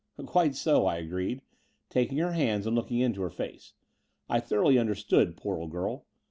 "Quite so," I agreed, taking her hands and looking into her face, "I thoroughly understood, poor old girl.